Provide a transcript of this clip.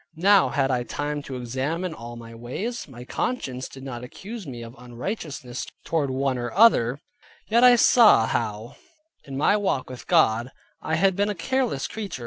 Now had I time to examine all my ways: my conscience did not accuse me of unrighteousness toward one or other; yet I saw how in my walk with God, I had been a careless creature.